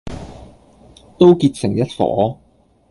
都結成一夥，